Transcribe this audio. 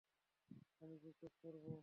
আমি জিজ্ঞেস করবো?